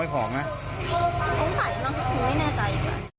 คงใส่นะคงไม่แน่ใจ